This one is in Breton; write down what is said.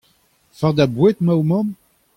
O fardañ boued emañ ho mamm ?